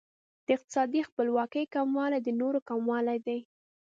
د اقتصادي خپلواکۍ کموالی د نورو کموالی دی.